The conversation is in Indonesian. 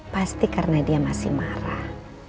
pasti karena dia masih marah